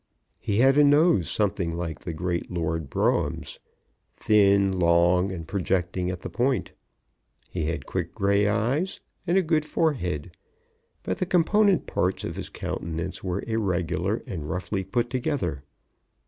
He had a nose something like the great Lord Brougham's, thin, long, and projecting at the point. He had quick grey eyes, and a good forehead; but the component parts of his countenance were irregular and roughly put together.